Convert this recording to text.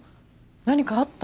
何かあった？